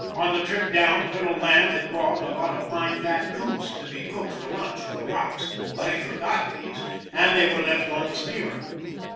On the trip down Colonel Lamb had bought a lot of fine fat coots to be cooked for lunch at the Rocks, but he forgot these, and they were left on the steamer.